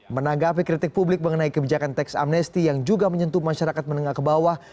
menanggapi kritik publik mengenai kebijakan teks amnesti yang juga menyentuh masyarakat menengah ke bawah